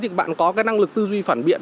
thì các bạn có năng lực tư duy phản biện